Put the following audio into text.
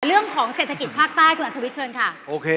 เรื่องของเศรษฐกิจภาคใต้คุณอัธวิทย์เชิญค่ะโอเค